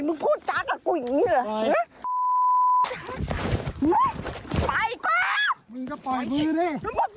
มึงบอกให้ปล่อยไงแล้วมึงเดี๋ยว